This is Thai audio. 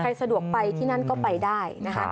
สะดวกไปที่นั่นก็ไปได้นะคะ